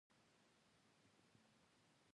کله چې یو پانګوال ډېره ګټه وویني